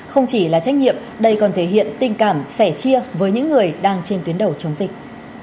không chỉ là trách nhiệm đây còn thể hiện tình cảm sẻ chia với những người đang trên tuyến đầu chống dịch